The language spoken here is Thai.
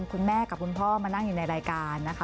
คุณพ่อกับคุณพ่อมานั่งอยู่ในรายการนะคะ